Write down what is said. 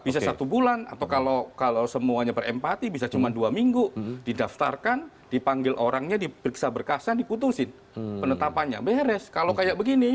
bisa satu bulan atau kalau semuanya berempati bisa cuma dua minggu didaftarkan dipanggil orangnya diperiksa berkasan diputusin penetapannya beres kalau kayak begini